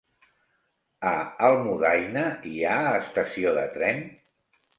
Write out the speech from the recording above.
A Almudaina hi ha estació de tren?